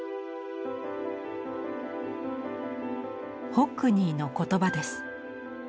ホックニーの言葉です。